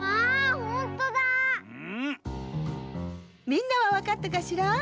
みんなはわかったかしら？